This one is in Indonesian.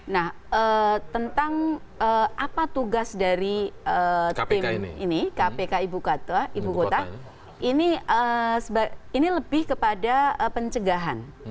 nah tentang apa tugas dari tim ini kpk ibu kota ini lebih kepada pencegahan